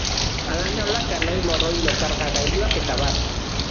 Hala nola, kanoi, morroilo, karga-gailuak etab.